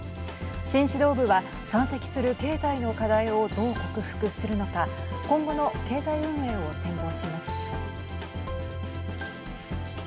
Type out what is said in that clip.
新指導部は山積する経済の課題をどう克服するのか今後の経済運営を展望します。